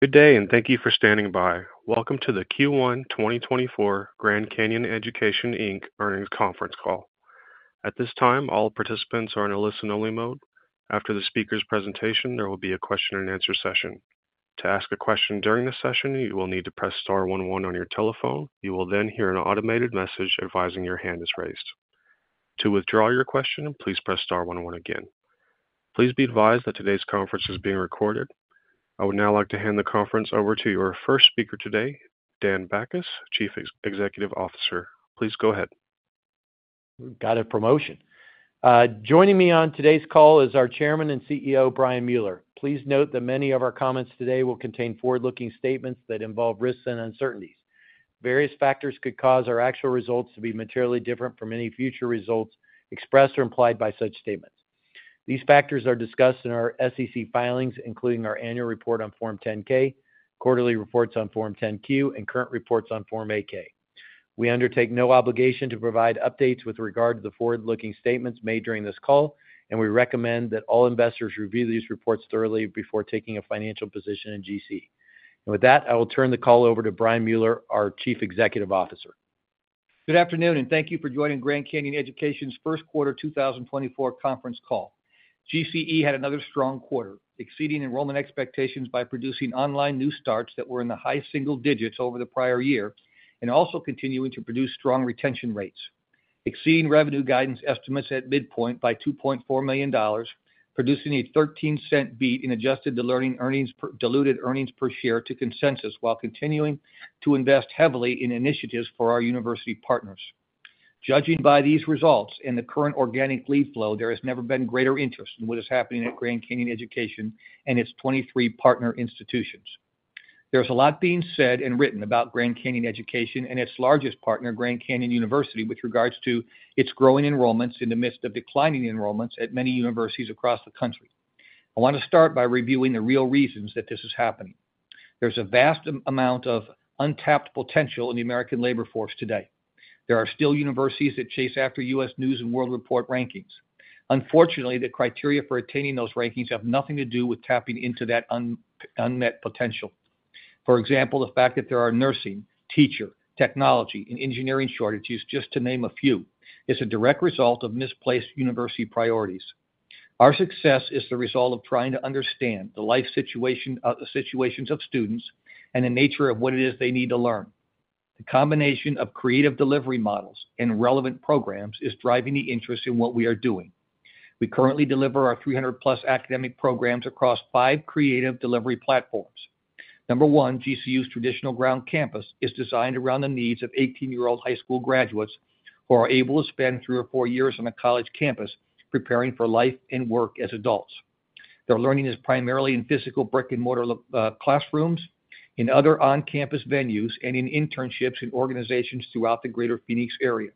Good day, and thank you for standing by. Welcome to the Q1 2024 Grand Canyon Education, Inc. earnings conference call. At this time, all participants are in a listen-only mode. After the speaker's presentation, there will be a question-and-answer session. To ask a question during the session, you will need to press star one one on your telephone. You will then hear an automated message advising your hand is raised. To withdraw your question, please press star one one again. Please be advised that today's conference is being recorded. I would now like to hand the conference over to our first speaker today, Dan Bachus, Chief Executive Officer. Please go ahead. Got a promotion. Joining me on today's call is our Chairman and CEO, Brian Mueller. Please note that many of our comments today will contain forward-looking statements that involve risks and uncertainties. Various factors could cause our actual results to be materially different from any future results expressed or implied by such statements. These factors are discussed in our SEC filings, including our annual report on Form 10-K, quarterly reports on Form 10-Q, and current reports on Form 8-K. We undertake no obligation to provide updates with regard to the forward-looking statements made during this call, and we recommend that all investors review these reports thoroughly before taking a financial position in GC. With that, I will turn the call over to Brian Mueller, our Chief Executive Officer. Good afternoon, and thank you for joining Grand Canyon Education's first quarter 2024 conference call. GCE had another strong quarter, exceeding enrollment expectations by producing online new starts that were in the high single digits over the prior year, and also continuing to produce strong retention rates, exceeding revenue guidance estimates at midpoint by $2.4 million, producing a $0.13 beat in adjusted diluted earnings per share to consensus, while continuing to invest heavily in initiatives for our university partners. Judging by these results and the current organic lead flow, there has never been greater interest in what is happening at Grand Canyon Education and its 23 partner institutions. There's a lot being said and written about Grand Canyon Education and its largest partner, Grand Canyon University, with regards to its growing enrollments in the midst of declining enrollments at many universities across the country. I want to start by reviewing the real reasons that this is happening. There's a vast amount of untapped potential in the American labor force today. There are still universities that chase after U.S. News & World Report rankings. Unfortunately, the criteria for attaining those rankings have nothing to do with tapping into that unmet potential. For example, the fact that there are nursing, teacher, technology, and engineering shortages, just to name a few, is a direct result of misplaced university priorities. Our success is the result of trying to understand the life situations of students and the nature of what it is they need to learn. The combination of creative delivery models and relevant programs is driving the interest in what we are doing. We currently deliver our 300+ academic programs across five creative delivery platforms. Number 1, GCU's traditional ground campus is designed around the needs of 18-year-old high school graduates who are able to spend three or four years on a college campus preparing for life and work as adults. Their learning is primarily in physical brick-and-mortar classrooms, in other on-campus venues, and in internships and organizations throughout the greater Phoenix area.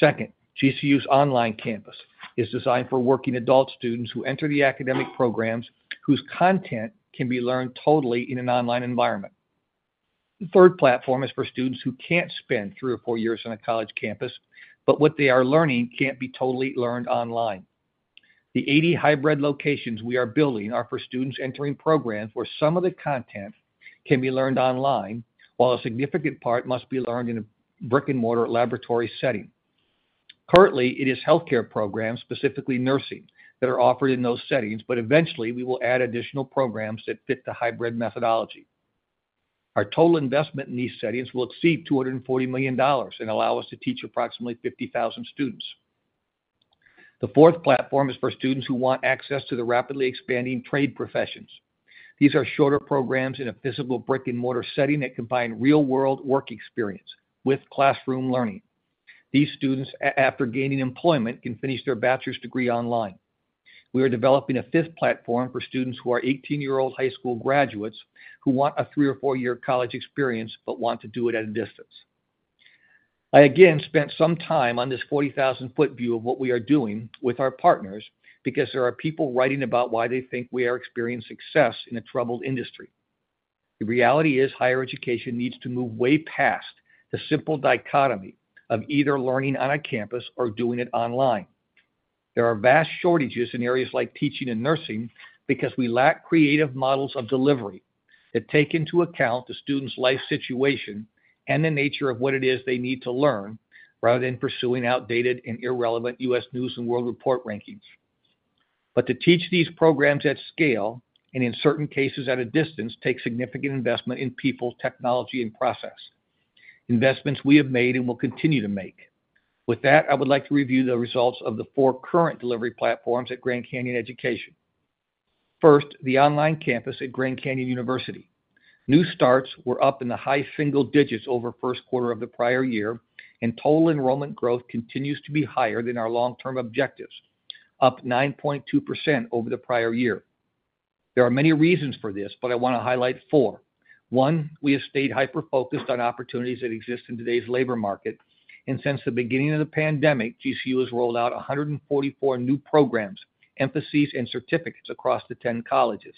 Second, GCU's online campus is designed for working adult students who enter the academic programs, whose content can be learned totally in an online environment. The third platform is for students who can't spend three or four years on a college campus, but what they are learning can't be totally learned online. The 80 hybrid locations we are building are for students entering programs where some of the content can be learned online, while a significant part must be learned in a brick-and-mortar laboratory setting. Currently, it is healthcare programs, specifically nursing, that are offered in those settings, but eventually, we will add additional programs that fit the hybrid methodology. Our total investment in these settings will exceed $240 million and allow us to teach approximately 50,000 students. The fourth platform is for students who want access to the rapidly expanding trade professions. These are shorter programs in a physical brick-and-mortar setting that combine real-world work experience with classroom learning. These students, after gaining employment, can finish their bachelor's degree online. We are developing a fifth platform for students who are 18-year-old high school graduates who want a three or four-year college experience but want to do it at a distance. I again spent some time on this 40,000-foot view of what we are doing with our partners because there are people writing about why they think we are experiencing success in a troubled industry. The reality is higher education needs to move way past the simple dichotomy of either learning on a campus or doing it online. There are vast shortages in areas like teaching and nursing because we lack creative models of delivery that take into account the student's life situation and the nature of what it is they need to learn, rather than pursuing outdated and irrelevant U.S. News & World Report rankings. But to teach these programs at scale, and in certain cases at a distance, takes significant investment in people, technology, and process. Investments we have made and will continue to make. With that, I would like to review the results of the four current delivery platforms at Grand Canyon Education. First, the online campus at Grand Canyon University. New starts were up in the high single digits over first quarter of the prior year, and total enrollment growth continues to be higher than our long-term objectives, up 9.2% over the prior year. There are many reasons for this, but I want to highlight four: One, we have stayed hyper-focused on opportunities that exist in today's labor market, and since the beginning of the pandemic, GCU has rolled out 144 new programs, emphases, and certificates across the 10 colleges.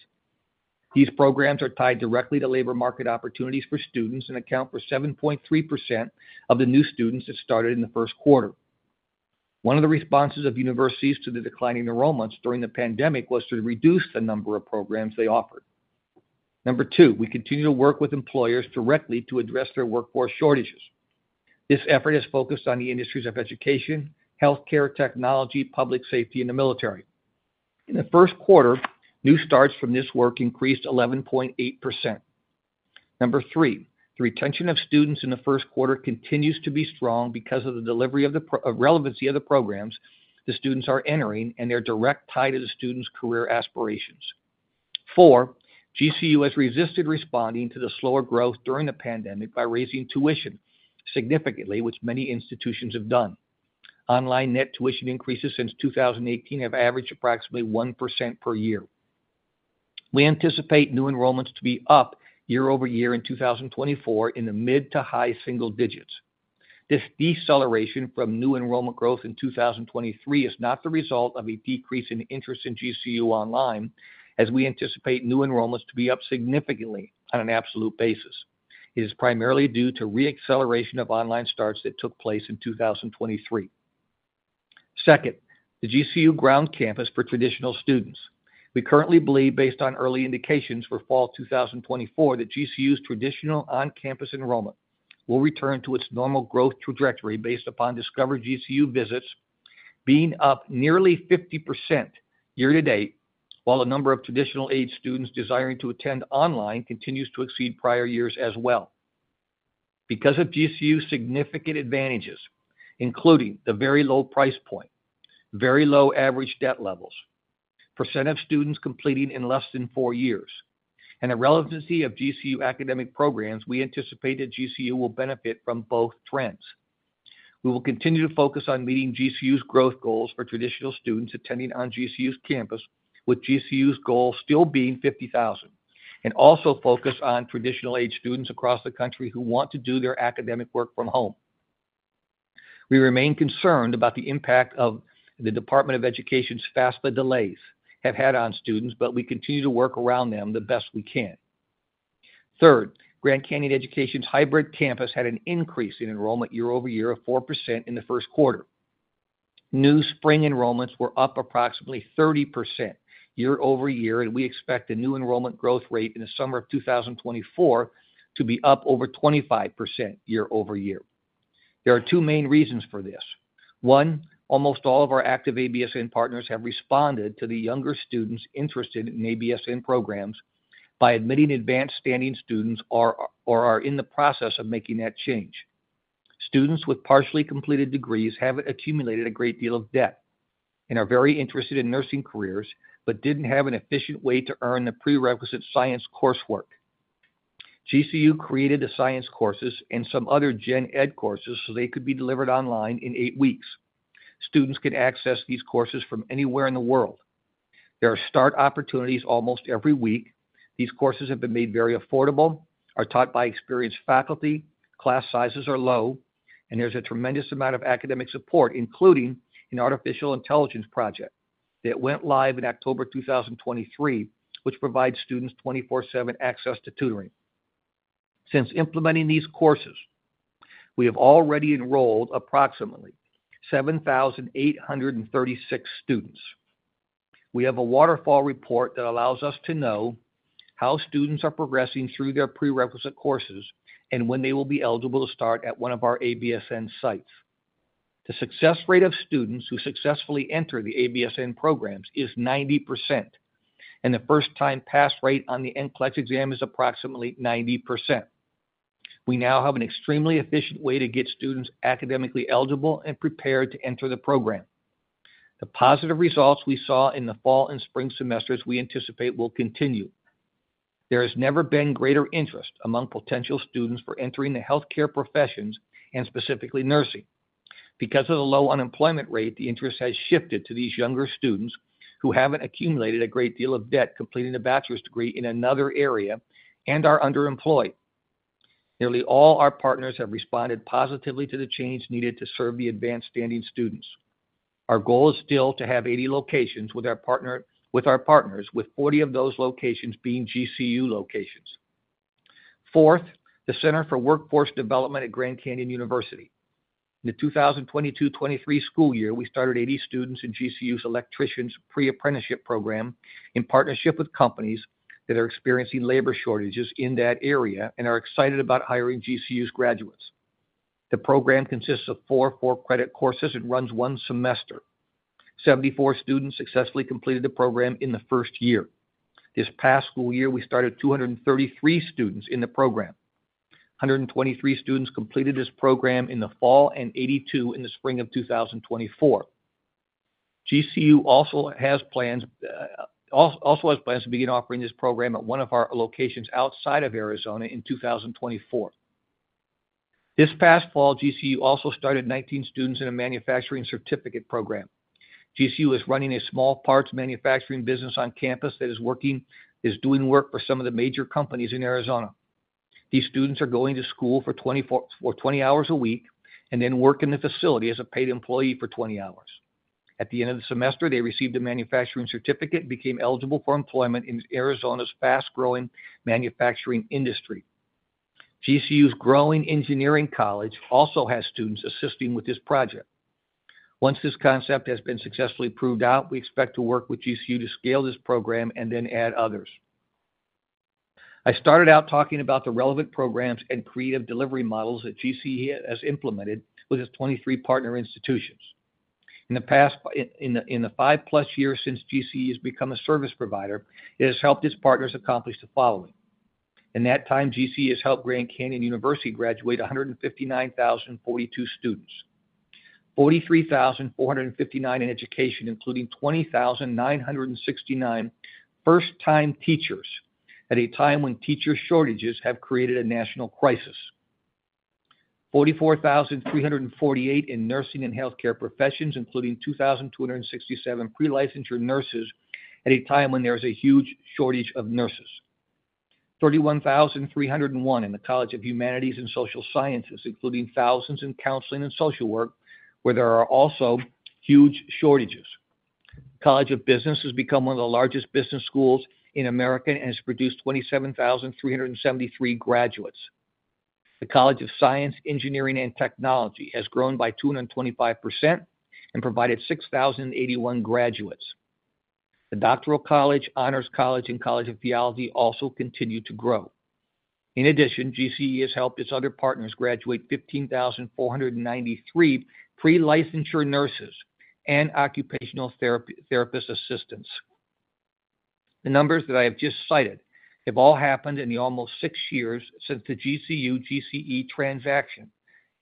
These programs are tied directly to labor market opportunities for students and account for 7.3% of the new students that started in the first quarter. One of the responses of universities to the declining enrollments during the pandemic was to reduce the number of programs they offered. Number two, we continue to work with employers directly to address their workforce shortages. This effort is focused on the industries of education, healthcare, technology, public safety, and the military. In the first quarter, new starts from this work increased 11.8%. Number three, the retention of students in the first quarter continues to be strong because of the delivery of the relevancy of the programs the students are entering and their direct tie to the students' career aspirations. Four, GCU has resisted responding to the slower growth during the pandemic by raising tuition significantly, which many institutions have done. Online net tuition increases since 2018 have averaged approximately 1% per year. We anticipate new enrollments to be up year-over-year in 2024 in the mid- to high-single digits. This deceleration from new enrollment growth in 2023 is not the result of a decrease in interest in GCU Online, as we anticipate new enrollments to be up significantly on an absolute basis. It is primarily due to reacceleration of online starts that took place in 2023. Second, the GCU ground campus for traditional students. We currently believe, based on early indications for fall 2024, that GCU's traditional on-campus enrollment will return to its normal growth trajectory based upon Discover GCU visits being up nearly 50% year-to-date, while the number of traditional-age students desiring to attend online continues to exceed prior years as well. Because of GCU's significant advantages, including the very low price point, very low average debt levels, percentage of students completing in less than four years, and the relevancy of GCU academic programs, we anticipate that GCU will benefit from both trends. We will continue to focus on meeting GCU's growth goals for traditional students attending on GCU's campus, with GCU's goal still being 50,000, and also focus on traditional-age students across the country who want to do their academic work from home. We remain concerned about the impact of the Department of Education's FAFSA delays have had on students, but we continue to work around them the best we can. Third, Grand Canyon Education's hybrid campus had an increase in enrollment year-over-year of 4% in the first quarter. New spring enrollments were up approximately 30% year-over-year, and we expect the new enrollment growth rate in the summer of 2024 to be up over 25% year-over-year. There are two main reasons for this. One, almost all of our active ABSN partners have responded to the younger students interested in ABSN programs by admitting advanced standing students or are in the process of making that change. Students with partially completed degrees haven't accumulated a great deal of debt and are very interested in nursing careers, but didn't have an efficient way to earn the prerequisite science coursework. GCU created the science courses and some other gen ed courses, so they could be delivered online in eight weeks. Students can access these courses from anywhere in the world. There are start opportunities almost every week. These courses have been made very affordable, are taught by experienced faculty, class sizes are low, and there's a tremendous amount of academic support, including an artificial intelligence project that went live in October 2023, which provides students 24/7 access to tutoring. Since implementing these courses, we have already enrolled approximately 7,836 students. We have a waterfall report that allows us to know how students are progressing through their prerequisite courses and when they will be eligible to start at one of our ABSN sites. The success rate of students who successfully enter the ABSN programs is 90%, and the first-time pass rate on the NCLEX exam is approximately 90%. We now have an extremely efficient way to get students academically eligible and prepared to enter the program. The positive results we saw in the fall and spring semesters, we anticipate will continue. There has never been greater interest among potential students for entering the healthcare professions and specifically nursing. Because of the low unemployment rate, the interest has shifted to these younger students who haven't accumulated a great deal of debt, completing a bachelor's degree in another area and are underemployed. Nearly all our partners have responded positively to the change needed to serve the advanced standing students. Our goal is still to have 80 locations with our partner—with our partners, with 40 of those locations being GCU locations. Fourth, the Center for Workforce Development at Grand Canyon University. In the 2022-2023 school year, we started 80 students in GCU's Electrician Pre-Apprenticeship Program, in partnership with companies that are experiencing labor shortages in that area and are excited about hiring GCU's graduates. The program consists of four 4-credit courses and runs one semester. 74 students successfully completed the program in the first year. This past school year, we started 233 students in the program. 123 students completed this program in the fall, and 82 in the spring of 2024. GCU also has plans to begin offering this program at one of our locations outside of Arizona in 2024. This past fall, GCU also started 19 students in a manufacturing certificate program. GCU is running a small parts manufacturing business on campus that is doing work for some of the major companies in Arizona. These students are going to school for 20 hours a week and then work in the facility as a paid employees for 20 hours. At the end of the semester, they received a manufacturing certificate and became eligible for employment in Arizona's fast-growing manufacturing industry. GCU's growing engineering college also has students assisting with this project. Once this concept has been successfully proved out, we expect to work with GCU to scale this program and then add others. I started out talking about the relevant programs and creative delivery models that GCE has implemented with its 23 partner institutions. In the five-plus years since GCE has become a service provider, it has helped its partners accomplish the following: In that time, GCE has helped Grand Canyon University graduate 159,042 students. 43,459 in education, including 20,969 first-time teachers, at a time when teacher shortages have created a national crisis. 44,348 in nursing and healthcare professions, including 2,267 pre-licensure nurses, at a time when there is a huge shortage of nurses. 31,301 in the College of Humanities and Social Sciences, including thousands in counseling and social work, where there are also huge shortages. College of Business has become one of the largest business schools in America and has produced 27,373 graduates. The College of Science, Engineering, and Technology has grown by 225% and provided 6,081 graduates. The Doctoral College, Honors College, and College of Theology also continue to grow. In addition, GCE has helped its other partners graduate 15,493 pre-licensure nurses and occupational therapist assistants. The numbers that I have just cited have all happened in the almost six years since the GCU/GCE transaction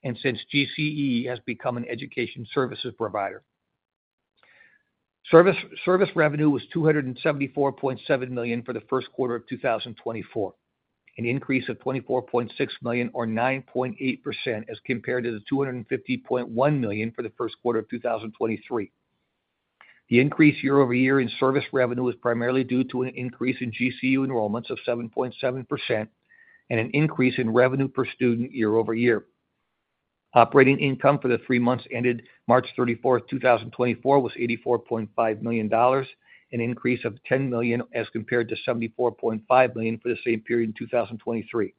and since GCE has become an education services provider. Service revenue was $274.7 million for the first quarter of 2024, an increase of $24.6 million, or 9.8%, as compared to the $250.1 million for the first quarter of 2023. The increase year over year in service revenue was primarily due to an increase in GCU enrollments of 7.7% and an increase in revenue per student year over year. Operating income for the three months ended March 31, 2024, was $84.5 million, an increase of $10 million, as compared to $74.5 million for the same period in 2023.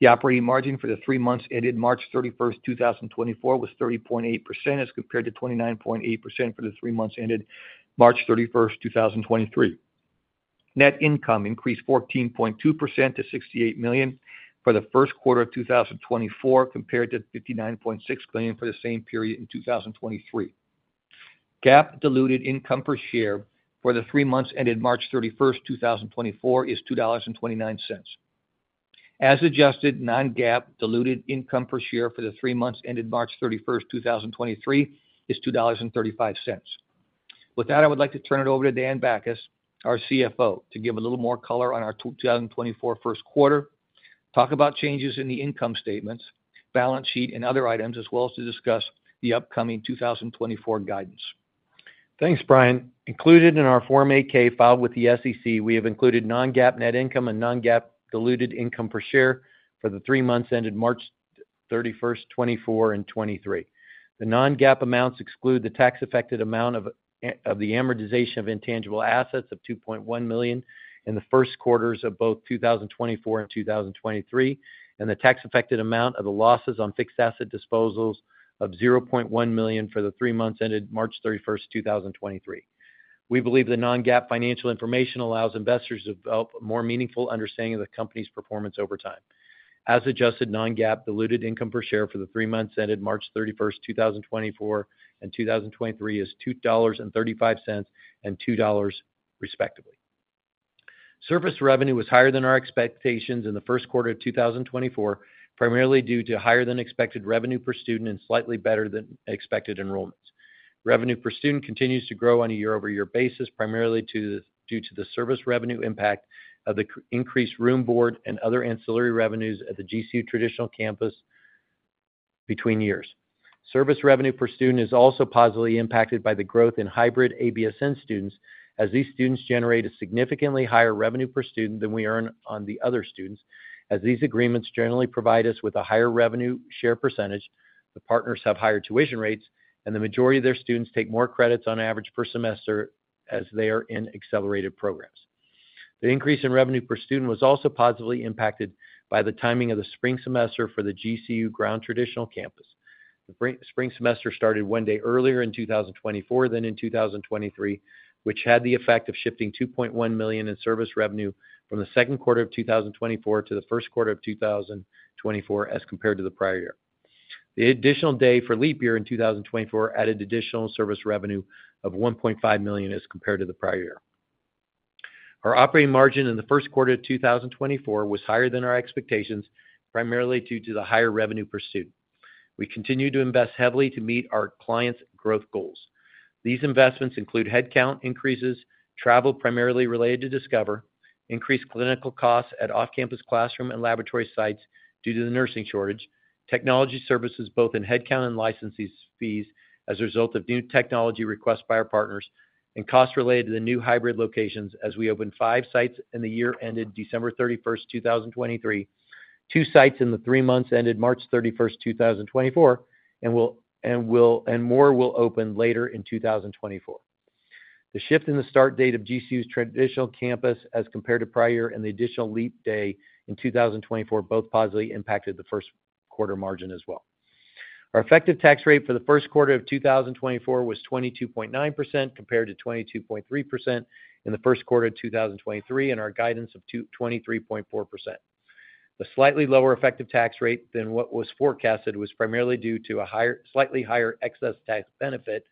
The operating margin for the three months ended March 31, 2024, was 30.8%, as compared to 29.8% for the three months ended March 31, 2023. Net income increased 14.2% to $68 million for the first quarter of 2024, compared to $59.6 million for the same period in 2023. GAAP diluted income per share for the three months ended March 31, 2024, is $2.29. As adjusted, non-GAAP diluted income per share for the three months ended March 31, 2023, is $2.35. With that, I would like to turn it over to Dan Bachus, our CFO, to give a little more color on our 2024 first quarter, talk about changes in the income statements, balance sheet, and other items, as well as to discuss the upcoming 2024 guidance. Thanks, Brian. Included in our Form 8-K filed with the SEC, we have included non-GAAP net income and non-GAAP diluted income per share for the three months ended March 31, 2024 and 2023. The non-GAAP amounts exclude the tax-affected amount of of the amortization of intangible assets of $2.1 million in the first quarters of both 2024 and 2023, and the tax-affected amount of the losses on fixed asset disposals of $0.1 million for the three months ended March 31, 2023. We believe the non-GAAP financial information allows investors to develop a more meaningful understanding of the company's performance over time. As adjusted, non-GAAP diluted income per share for the three months ended March 31, 2024 and 2023, is $2.35 and $2, respectively. Service revenue was higher than our expectations in the first quarter of 2024, primarily due to higher-than-expected revenue per student and slightly better than expected enrollments. Revenue per student continues to grow on a year-over-year basis, primarily due to the service revenue impact of the increased room board and other ancillary revenues at the GCU traditional campus between years. Service revenue per student is also positively impacted by the growth in hybrid ABSN students, as these students generate a significantly higher revenue per student than we earn on the other students, as these agreements generally provide us with a higher revenue share percentage, the partners have higher tuition rates, and the majority of their students take more credits on average per semester, as they are in accelerated programs. The increase in revenue per student was also positively impacted by the timing of the spring semester for the GCU ground traditional campus. The spring semester started one day earlier in 2024 than in 2023, which had the effect of shifting $2.1 million in service revenue from the second quarter of 2024 to the first quarter of 2024, as compared to the prior year. The additional day for leap year in 2024 added additional service revenue of $1.5 million as compared to the prior year. Our operating margin in the first quarter of 2024 was higher than our expectations, primarily due to the higher revenue per student. We continue to invest heavily to meet our clients' growth goals. These investments include headcount increases, travel primarily related to Discover, increased clinical costs at off-campus classroom and laboratory sites due to the nursing shortage, technology services, both in headcount and licenses fees, as a result of new technology requests by our partners, and costs related to the new hybrid locations as we opened five sites in the year ended December 31, 2023, two sites in the three months ended March 31, 2024, and more will open later in 2024. The shift in the start date of GCU's traditional campus as compared to prior year and the additional leap day in 2024, both positively impacted the first quarter margin as well. Our effective tax rate for the first quarter of 2024 was 22.9%, compared to 22.3% in the first quarter of 2023, and our guidance of 23.4%. The slightly lower effective tax rate than what was forecasted was primarily due to slightly higher excess tax benefit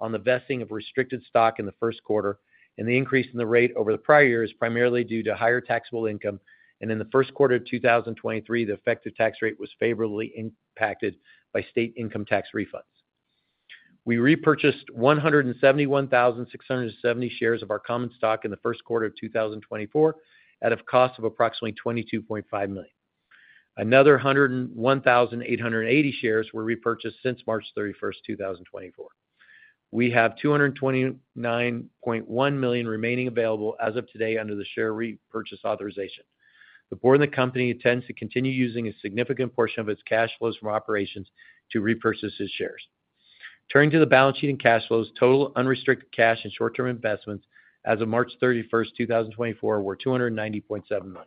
on the vesting of restricted stock in the first quarter, and the increase in the rate over the prior years, primarily due to higher taxable income. In the first quarter of 2023, the effective tax rate was favorably impacted by state income tax refunds. We repurchased 171,670 shares of our common stock in the first quarter of 2024, at a cost of approximately $22.5 million. Another 101,800 shares were repurchased since March 31st, 2024. We have $229.1 million remaining available as of today under the share repurchase authorization. The board of the company intends to continue using a significant portion of its cash flows from operations to repurchase its shares. Turning to the balance sheet and cash flows, total unrestricted cash and short-term investments as of March 31st, 2024, were $290.7 million.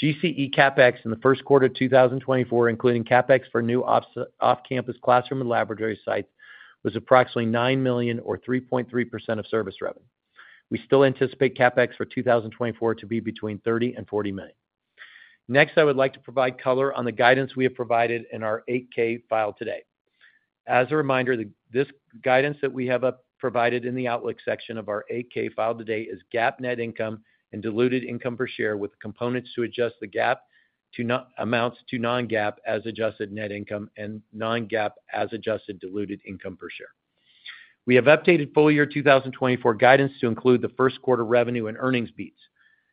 GCE CapEx in the first quarter of 2024, including CapEx for new off-campus classroom and laboratory sites, was approximately $9 million or 3.3% of service revenue. We still anticipate CapEx for 2024 to be between $30 million and $40 million. Next, I would like to provide color on the guidance we have provided in our 8-K filed today. As a reminder, this guidance that we have provided in the outlook section of our 8-K filed today is GAAP net income and diluted income per share, with components to adjust the GAAP amounts to non-GAAP as adjusted net income and non-GAAP as adjusted diluted income per share. We have updated full-year 2024 guidance to include the first quarter revenue and earnings beats,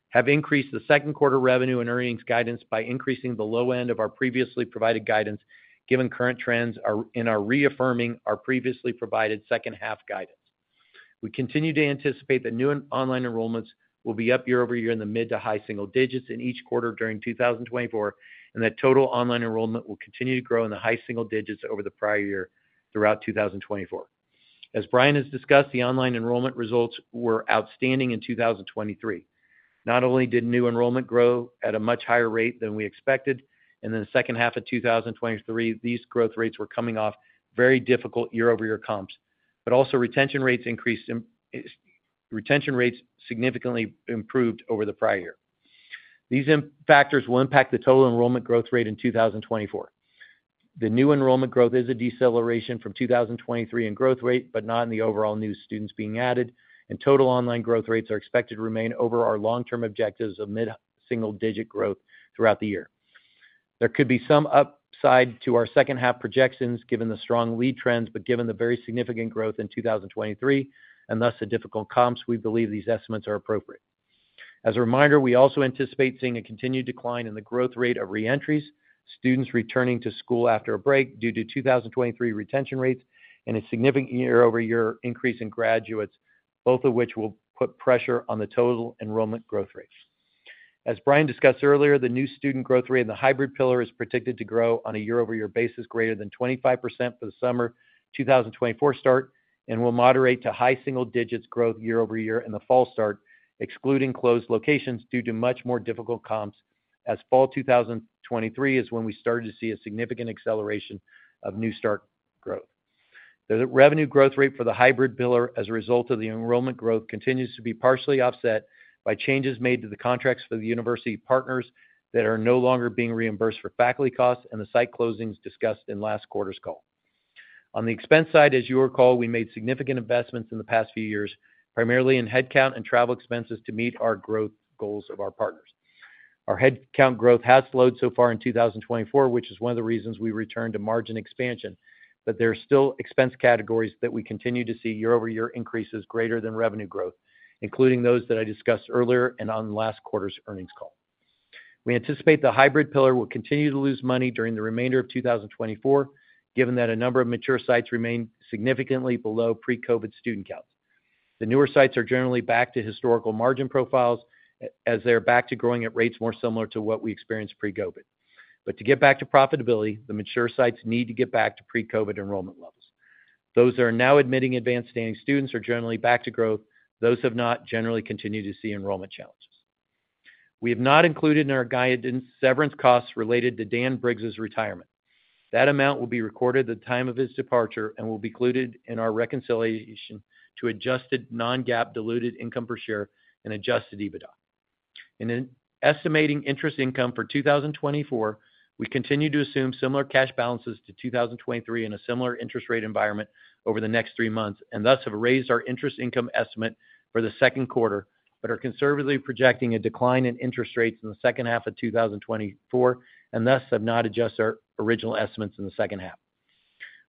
have increased the second quarter revenue and earnings guidance by increasing the low end of our previously provided guidance, given current trends, and are reaffirming our previously provided second-half guidance. We continue to anticipate that new and online enrollments will be up year-over-year in the mid to high single digits in each quarter during 2024, and that total online enrollment will continue to grow in the high single digits over the prior year throughout 2024. As Brian has discussed, the online enrollment results were outstanding in 2023. Not only did new enrollment grow at a much higher rate than we expected, and in the second half of 2023, these growth rates were coming off very difficult year-over-year comps, but also retention rates increased retention rates significantly improved over the prior year. These factors will impact the total enrollment growth rate in 2024. The new enrollment growth is a deceleration from 2023 in growth rate, but not in the overall new students being added, and total online growth rates are expected to remain over our long-term objectives of mid-single-digit growth throughout the year. There could be some upside to our second-half projections, given the strong lead trends, but given the very significant growth in 2023, and thus the difficult comps, we believe these estimates are appropriate. As a reminder, we also anticipate seeing a continued decline in the growth rate of reentries, students returning to school after a break due to 2023 retention rates, and a significant year-over-year increase in graduates, both of which will put pressure on the total enrollment growth rates. As Brian discussed earlier, the new student growth rate in the hybrid pillar is predicted to grow on a year-over-year basis greater than 25% for the summer 2024 start, and will moderate to high single-digits growth year-over-year in the fall start, excluding closed locations, due to much more difficult comps, as fall 2023 is when we started to see a significant acceleration of new start growth. The revenue growth rate for the hybrid pillar, as a result of the enrollment growth, continues to be partially offset by changes made to the contracts for the university partners that are no longer being reimbursed for faculty costs and the site closings discussed in last quarter's call. On the expense side, as you recall, we made significant investments in the past few years, primarily in headcount and travel expenses to meet our growth goals of our partners. Our headcount growth has slowed so far in 2024, which is one of the reasons we returned to margin expansion. But there are still expense categories that we continue to see year-over-year increases greater than revenue growth, including those that I discussed earlier and on last quarter's earnings call. We anticipate the Hybrid Pillar will continue to lose money during the remainder of 2024, given that a number of mature sites remain significantly below pre-COVID student counts. The newer sites are generally back to historical margin profiles, as they're back to growing at rates more similar to what we experienced pre-COVID. But to get back to profitability, the mature sites need to get back to pre-COVID enrollment levels. Those that are now admitting advanced standing students are generally back to growth. Those that have not generally continue to see enrollment challenges. We have not included in our guidance severance costs related to Dan Briggs's retirement. That amount will be recorded at the time of his departure and will be included in our reconciliation to adjusted non-GAAP diluted income per share and adjusted EBITDA. In estimating interest income for 2024, we continue to assume similar cash balances to 2023 in a similar interest rate environment over the next three months, and thus have raised our interest income estimate for the second quarter, but are conservatively projecting a decline in interest rates in the second half of 2024, and thus have not adjusted our original estimates in the second half.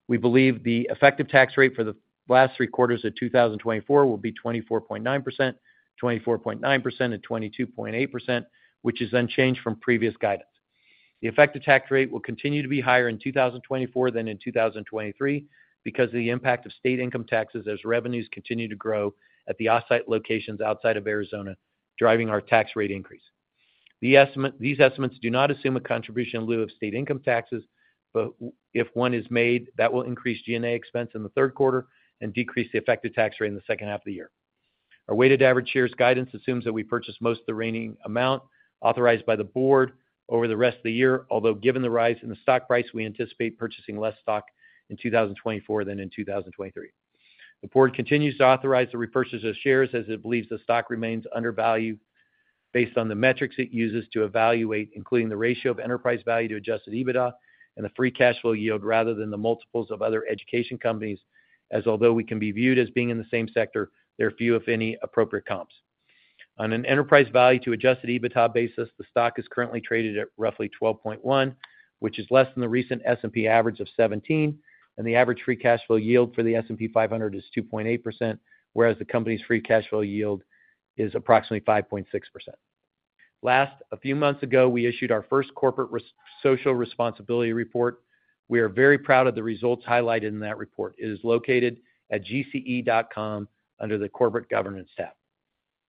We believe the effective tax rate for the last three quarters of 2024 will be 24.9%, 24.9%, and 22.8%, which is unchanged from previous guidance. The effective tax rate will continue to be higher in 2024 than in 2023 because of the impact of state income taxes as revenues continue to grow at the off-site locations outside of Arizona, driving our tax rate increase.... These estimates do not assume a contribution in lieu of state income taxes, but if one is made, that will increase G&A expense in the third quarter and decrease the effective tax rate in the second half of the year. Our weighted average shares guidance assumes that we purchase most of the remaining amount authorized by the board over the rest of the year. Although given the rise in the stock price, we anticipate purchasing less stock in 2024 than in 2023. The board continues to authorize the repurchase of shares as it believes the stock remains undervalued based on the metrics it uses to evaluate, including the ratio of enterprise value to adjusted EBITDA and the free cash flow yield, rather than the multiples of other education companies, as although we can be viewed as being in the same sector, there are few, if any, appropriate comps. On an enterprise value to adjusted EBITDA basis, the stock is currently traded at roughly 12.1, which is less than the recent S&P average of 17, and the average free cash flow yield for the S&P 500 is 2.8%, whereas the company's free cash flow yield is approximately 5.6%. Last, a few months ago, we issued our first corporate social responsibility report. We are very proud of the results highlighted in that report. It is located at GCE.com under the Corporate Governance tab.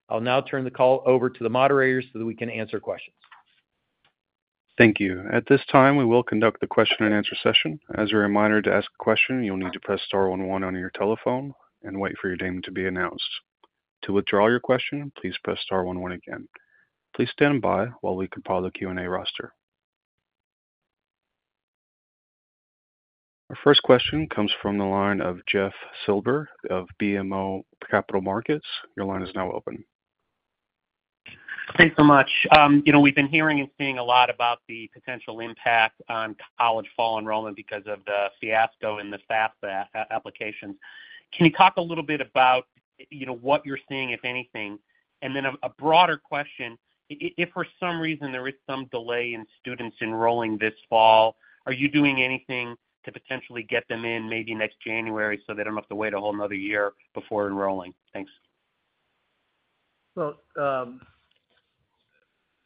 I'll now turn the call over to the moderators so that we can answer questions. Thank you. At this time, we will conduct the question-and-answer session. As a reminder, to ask a question, you'll need to press star one one on your telephone and wait for your name to be announced. To withdraw your question, please press star one one again. Please stand by while we compile the Q&A roster. Our first question comes from the line of Jeffrey Silber of BMO Capital Markets. Your line is now open. Thanks so much. You know, we've been hearing and seeing a lot about the potential impact on college fall enrollment because of the fiasco in the FAFSA applications. Can you talk a little bit about, you know, what you're seeing, if anything? And then a broader question, if for some reason there is some delay in students enrolling this fall, are you doing anything to potentially get them in maybe next January so they don't have to wait a whole another year before enrolling? Thanks. So,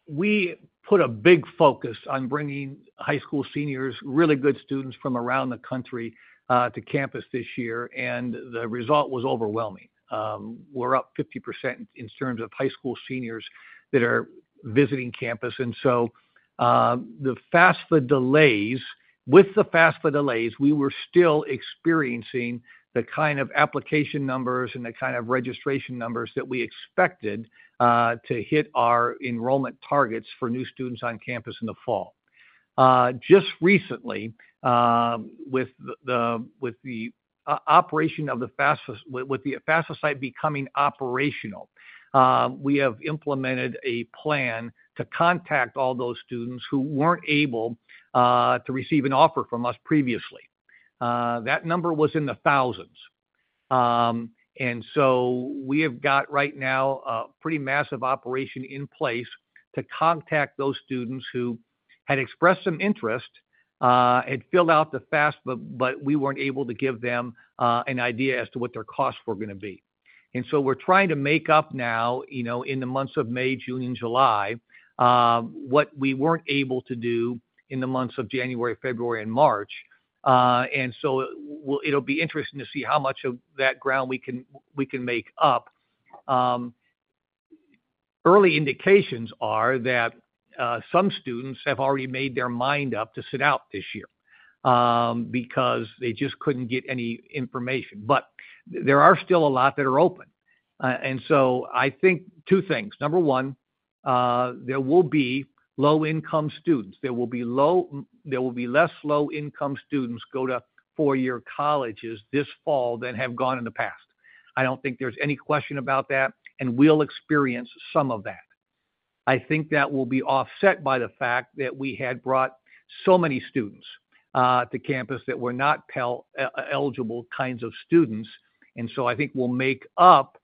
we put a big focus on bringing high school seniors, really good students from around the country, to campus this year, and the result was overwhelming. We're up 50% in terms of high school seniors that are visiting campus. So, the FAFSA delays—with the FAFSA delays, we were still experiencing the kind of application numbers and the kind of registration numbers that we expected to hit our enrollment targets for new students on campus in the fall. Just recently, with the operation of the FAFSA, with the FAFSA site becoming operational, we have implemented a plan to contact all those students who weren't able to receive an offer from us previously. That number was in the thousands. And so we have got right now a pretty massive operation in place to contact those students who had expressed some interest, had filled out the FAFSA, but we weren't able to give them an idea as to what their costs were gonna be. And so we're trying to make up now, you know, in the months of May, June, and July, what we weren't able to do in the months of January, February, and March. It'll be interesting to see how much of that ground we can make up. Early indications are that some students have already made their mind up to sit out this year, because they just couldn't get any information. But there are still a lot that are open. And so I think two things: number one, there will be less low-income students go to four-year colleges this fall than have gone in the past. I don't think there's any question about that, and we'll experience some of that. I think that will be offset by the fact that we had brought so many students to campus that were not Pell-eligible kinds of students, and so I think we'll make up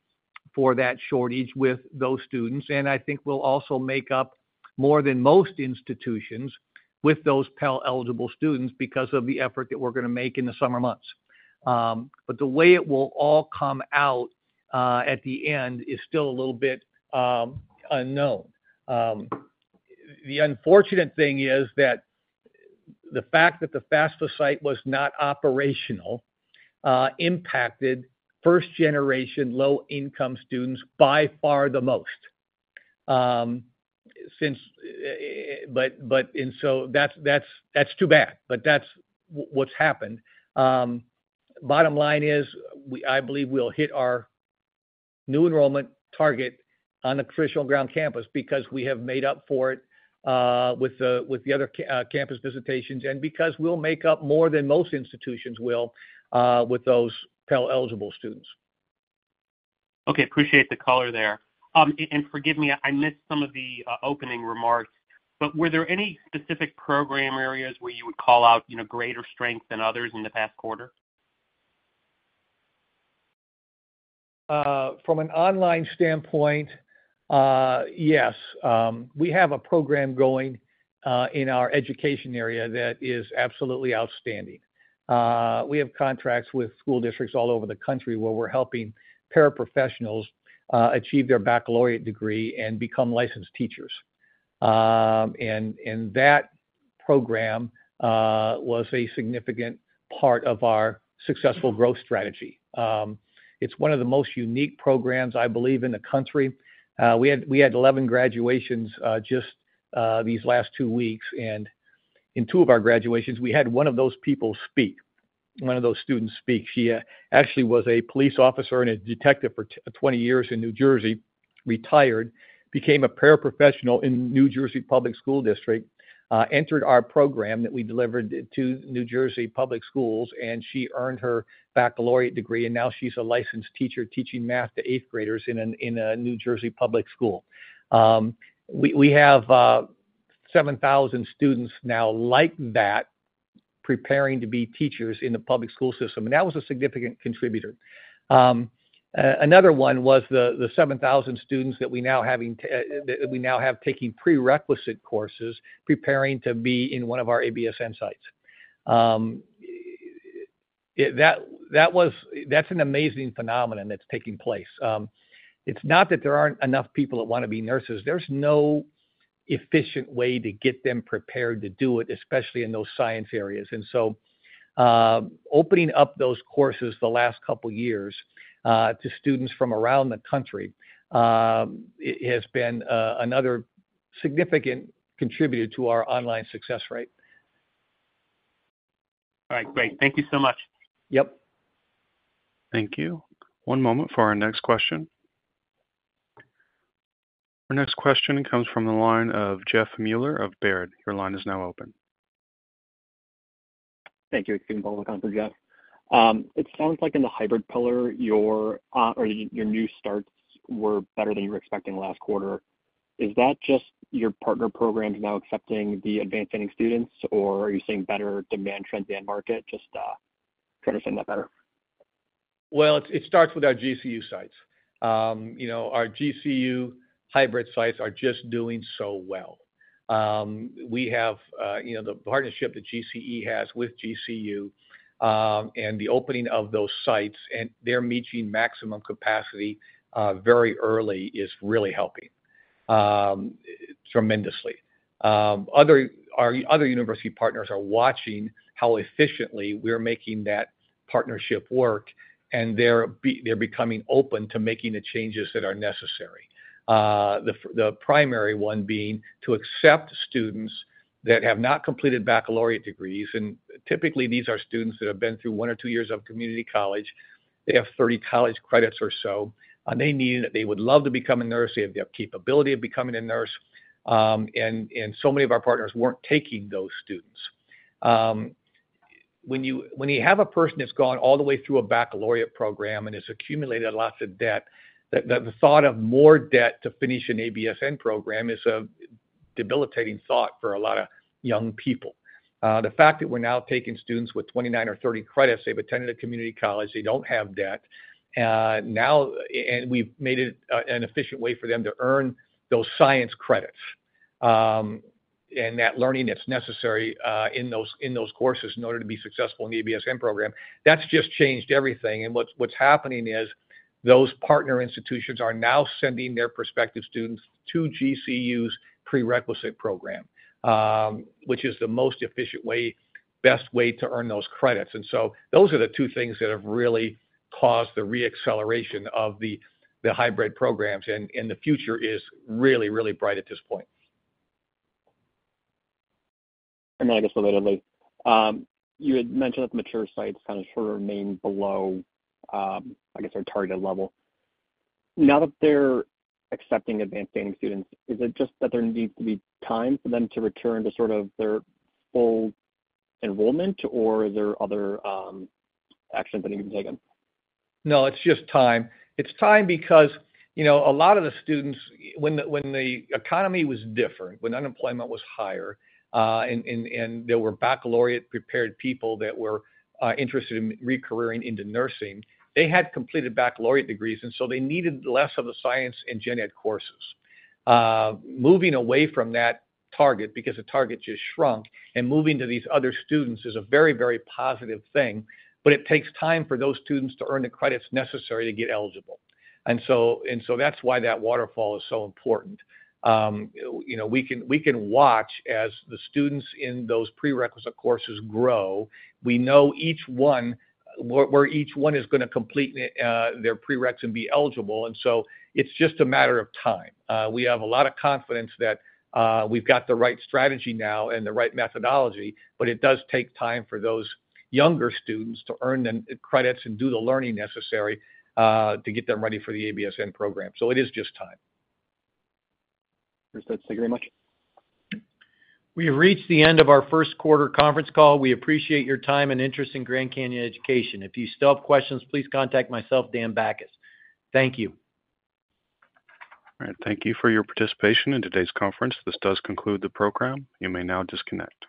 for that shortage with those students. And I think we'll also make up more than most institutions with those Pell-eligible students because of the effort that we're gonna make in the summer months. But the way it will all come out at the end is still a little bit unknown. The unfortunate thing is that the fact that the FAFSA site was not operational impacted first-generation, low-income students by far the most, since... But that's too bad, but that's what's happened. Bottom line is, I believe we'll hit our new enrollment target on the traditional ground campus because we have made up for it with the other campus visitations, and because we'll make up more than most institutions will with those Pell-eligible students. Okay, appreciate the color there. Forgive me, I missed some of the opening remarks, but were there any specific program areas where you would call out, you know, greater strength than others in the past quarter? From an online standpoint, yes. We have a program going in our education area that is absolutely outstanding. We have contracts with school districts all over the country, where we're helping paraprofessionals achieve their baccalaureate degree and become licensed teachers. And that program was a significant part of our successful growth strategy. It's one of the most unique programs, I believe, in the country. We had 11 graduations just these last two weeks, and in two of our graduations, we had one of those people speak, one of those students speak. She actually was a police officer and a detective for 20 years in New Jersey, retired, became a paraprofessional in New Jersey Public School District, entered our program that we delivered to New Jersey Public Schools, and she earned her baccalaureate degree, and now she's a licensed teacher, teaching math to eighth graders in a New Jersey public school. We have 7,000 students now like that, preparing to be teachers in the public school system, and that was a significant contributor. Another one was the 7,000 students that we now have taking prerequisite courses, preparing to be in one of our ABSN sites. That's an amazing phenomenon that's taking place. It's not that there aren't enough people that wanna be nurses. There's no efficient way to get them prepared to do it, especially in those science areas. And so, opening up those courses the last couple years to students from around the country has been another significant contributor to our online success rate. All right, great. Thank you so much. Yep. Thank you. One moment for our next question. Our next question comes from the line of Jeffrey Meuler of Baird. Your line is now open. Thank you. It's gonna come from Jeff. It sounds like in the Hybrid Pillar, your new starts were better than you were expecting last quarter. Is that just your partner programs now accepting the Advanced Standing students, or are you seeing better demand trends than market? Just trying to sense that better. Well, it starts with our GCU sites. You know, our GCU hybrid sites are just doing so well. We have, you know, the partnership that GCE has with GCU, and the opening of those sites, and they're meeting maximum capacity very early is really helping tremendously. Our other university partners are watching how efficiently we're making that partnership work, and they're becoming open to making the changes that are necessary. The primary one being to accept students that have not completed baccalaureate degrees, and typically, these are students that have been through one or two years of community college. They have 30 college credits or so, and they need, they would love to become a nurse, they have the capability of becoming a nurse, and so many of our partners weren't taking those students. When you have a person that's gone all the way through a baccalaureate program and has accumulated lots of debt, the thought of more debt to finish an ABSN program is a debilitating thought for a lot of young people. The fact that we're now taking students with 29 or 30 credits, they've attended a community college, they don't have debt, now and we've made it an efficient way for them to earn those science credits, and that learning that's necessary in those courses in order to be successful in the ABSN program, that's just changed everything. And what's happening is, those partner institutions are now sending their prospective students to GCU's prerequisite program, which is the most efficient way, best way to earn those credits. And so those are the two things that have really caused the re-acceleration of the hybrid programs, and the future is really, really bright at this point. And then I guess relatedly, you had mentioned that the mature sites kind of sort of remain below, I guess, their targeted level. Now that they're accepting Advanced Standing students, is it just that there needs to be time for them to return to sort of their full enrollment, or are there other actions that need to be taken? No, it's just time. It's time because, you know, a lot of the students, when the, when the economy was different, when unemployment was higher, and there were baccalaureate-prepared people that were interested in re-careering into nursing, they had completed baccalaureate degrees, and so they needed less of the science and gen ed courses. Moving away from that target, because the target just shrunk, and moving to these other students is a very, very positive thing, but it takes time for those students to earn the credits necessary to get eligible. And so that's why that waterfall is so important. You know, we can watch as the students in those prerequisite courses grow. We know each one where each one is gonna complete their prereqs and be eligible, and so it's just a matter of time. We have a lot of confidence that, we've got the right strategy now and the right methodology, but it does take time for those younger students to earn them, credits and do the learning necessary, to get them ready for the ABSN program. So it is just time. Thanks for that. Thank you very much. We have reached the end of our first quarter conference call. We appreciate your time and interest in Grand Canyon Education. If you still have questions, please contact myself, Dan Bachus. Thank you. All right. Thank you for your participation in today's conference. This does conclude the program. You may now disconnect.